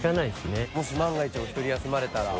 もし万が一お一人休まれたら。